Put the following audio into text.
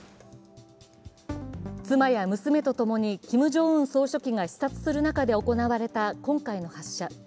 妻や娘とともにキム・ジョンウン総書記が視察する中で行われた今回の発射。